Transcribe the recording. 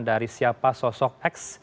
dari siapa sosok x